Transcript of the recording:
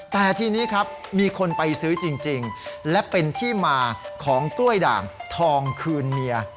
แต่ทีนี้ครับมีคนไปซื้อจริงและเป็นที่มาของกล้วยด่างทองคืนเมีย